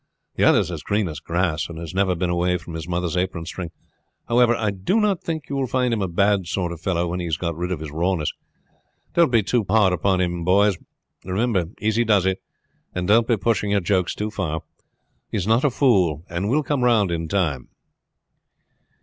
The other is as green as grass, and has never been away from his mother's apron string. However, I do not think you will find him a bad sort of fellow when he has got rid of his rawness. Don't be too hard upon him, you boys. Remember easy does it, and don't be pushing your jokes too far. He is not a fool and will come round in time."